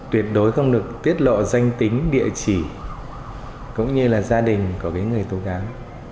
tuyệt đối không được tiết lộ danh tính địa chỉ cũng như là gia đình của người tố cáo